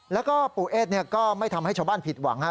แล้วก็ปู่เอสเนี่ยก็ไม่ทำให้ชาวบ้านผิดหวังฮะ